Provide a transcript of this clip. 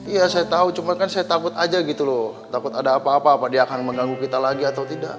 iya saya tahu cuma kan saya takut aja gitu loh takut ada apa apa dia akan mengganggu kita lagi atau tidak